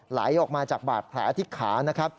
ไหลออกมาจากบาดแผลที่ขา